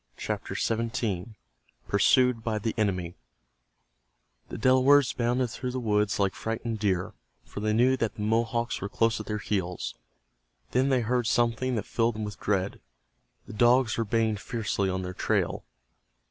CHAPTER XVII—PURSUED BY THE ENEMY The Delawares bounded through the woods like frightened deer, for they knew that the Mohawks were close at their heels. Then they heard something that filled them with dread. The dogs were baying fiercely on their trail.